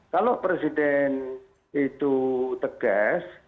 kalau presiden itu tegas